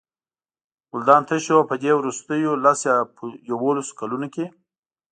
ګلدان تش و او په دې وروستیو لس یا یوولسو کلونو کې.